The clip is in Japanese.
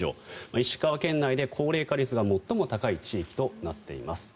石川県内で高齢化率が最も高い地域となっています。